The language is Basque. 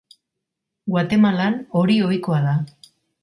Guatemalan hori ohikoa da.